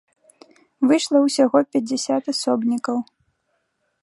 Выйшла ўсяго пяцьдзясят асобнікаў.